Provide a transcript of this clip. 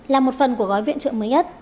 là một phần của gói viện trợ mới nhất